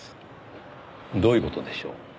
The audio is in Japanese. どういう事でしょう？